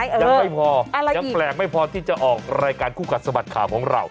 ยังไม่พอยังแปลกไม่พอที่จะออกรายการคู่กัดสะบัดข่าวของเรา